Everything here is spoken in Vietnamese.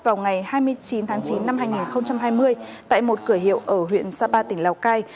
vào ngày hai mươi chín tháng chín năm hai nghìn hai mươi tại một cửa hiệu ở huyện sapa tỉnh lào cai